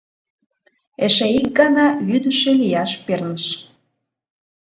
Эше ик гана вӱдышӧ лияш перныш.